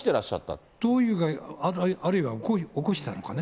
というか、あるいは起こしたのかね。